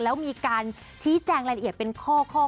แล้วมีการชี้แจงรายละเอียดเป็นข้อ